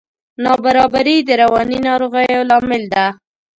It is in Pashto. نابرابري د رواني ناروغیو لامل ده.